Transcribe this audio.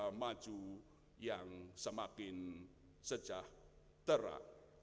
bangsa maju yang semakin sejahtera